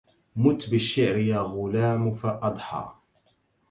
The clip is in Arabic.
مت بالشعر يا غلام فأضحى